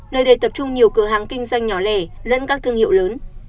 nơi đây tập trung nhiều cửa hàng kinh doanh nhỏ lẻ lẫn các thương hiệu lớn